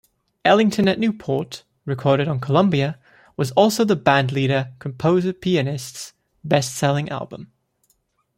Ellington at Newport, recorded on Columbia, was also the bandleader-composer-pianist's best-selling album.